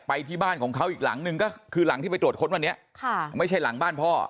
ที่บ้านของเขาอีกหลังนึงก็คือหลังที่ไปตรวจค้นวันนี้ค่ะไม่ใช่หลังบ้านพ่อ